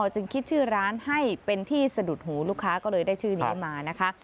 จึงคิดชื่อร้านให้เป็นที่สะดุดหูลูกค้าก็เลยได้ชื่อนี้มานะคะ